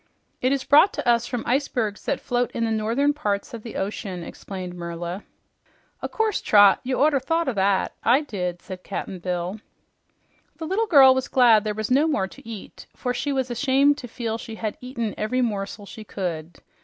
"It is brought to us from the icebergs that float in the northern parts of the ocean," explained Merla. "O' course, Trot. You orter thought o' that. I did," said Cap'n Bill. The little girl was glad there was no more to eat, for she was ashamed to feel she had eaten every morsel she could.